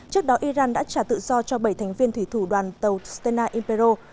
trước đó iran đã trả tự do cho bảy thành viên thủy thủ đoàn tàu sena imperial